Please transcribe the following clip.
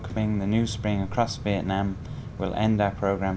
với những hình ảnh của việt nam khi vào xuân